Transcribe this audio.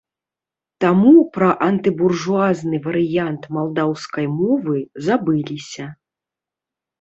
Таму пра антыбуржуазны варыянт малдаўскай мовы забыліся.